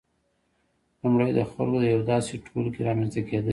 لومړی د خلکو د یو داسې ټولګي رامنځته کېدل دي